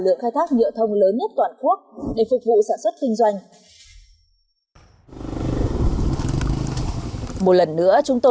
lượng khai thác nhựa thông lớn nhất toàn quốc để phục vụ sản xuất kinh doanh một lần nữa chúng tôi